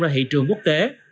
ra thị trường quốc tế